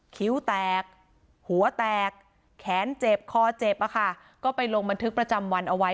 คิ้วแตกหัวแตกแขนเจ็บคอเจ็บอะค่ะก็ไปลงบันทึกประจำวันเอาไว้